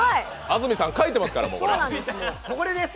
安住さん、書いてますから！